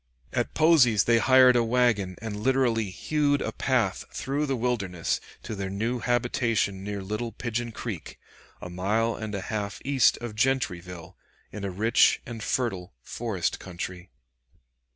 At Posey's they hired a wagon and literally hewed a path through the wilderness to their new habitation near Little Pigeon Creek, a mile and a half east of Gentryville, in a rich and fertile forest country.